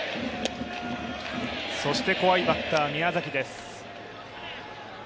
怖いバッター・宮崎です。